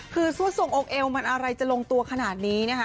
คือซ่วทรงอกเอวมันอะไรจะลงตัวขนาดนี้นะคะ